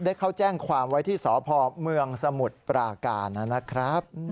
เข้าแจ้งความไว้ที่สพเมืองสมุทรปราการนะครับ